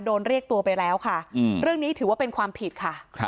โดนเรียกตัวไปแล้วค่ะเรื่องนี้ถือว่าเป็นความผิดค่ะ